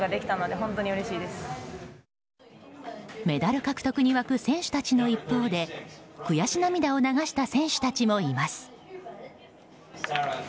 メダル獲得に沸く選手たちの一方で悔し涙を流した選手たちもいます。